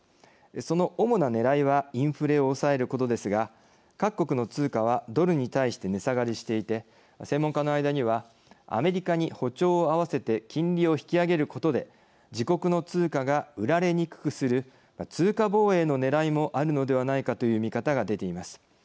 その主なねらいはインフレを抑えることですが各国の通貨はドルに対して値下がりしていて専門家の間にはアメリカに歩調を合わせて金利を引き上げることで自国の通貨が売られにくくする通貨防衛のねらいもあるのではないかという見方が出ています。